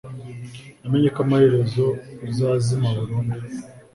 namenye ko amaherezo buzazima burundu